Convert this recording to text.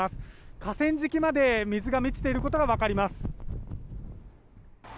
河川敷まで水が満ちているのが分かります。